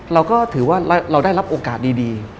เราก็ถือว่าเราได้รับโอกาสดี